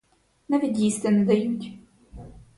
Навіть їсти не дають.